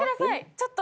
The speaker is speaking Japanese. ちょっと。